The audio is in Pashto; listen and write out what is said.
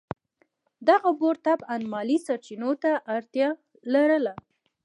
دغه بورډ طبعاً مالي سرچینو ته اړتیا لرله.